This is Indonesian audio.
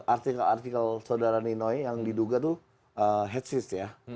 artikel artikel saudara ninoi yang diduga itu hate speech ya